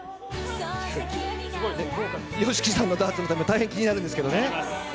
ＹＯＳＨＩＫＩさんのダーツの旅、大変気になるんですけどね。